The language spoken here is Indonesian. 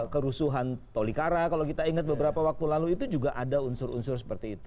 kerusuhan tolikara kalau kita ingat beberapa waktu lalu itu juga ada unsur unsur seperti itu